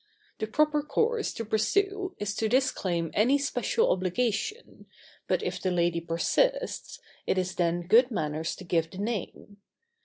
The proper course to pursue is to disclaim any special obligation, but if the lady persists, it is then good manners to give the name.